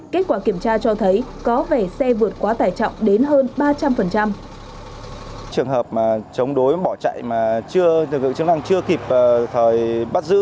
kết quả kiểm tra cho thấy có vẻ xe vượt quá tải trọng đến hơn ba trăm linh